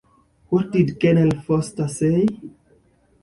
What did Colonel Forster say?